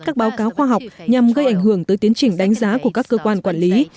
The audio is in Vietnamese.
các báo cáo khoa học nhằm gây ảnh hưởng tới tiến trình đánh giá của các cơ quan quản lý